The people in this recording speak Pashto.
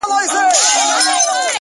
o ای د نشې د سمرقند او بُخارا لوري،